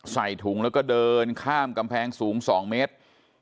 ใส่ถุงแล้วก็เดินข้ามกำแพงสูง๒เมตร